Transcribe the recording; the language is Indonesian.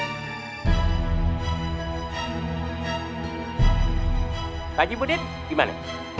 pak haji budit gimana